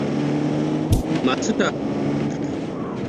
Masu tsaron Swiss sun bada kariya ga fafaroma.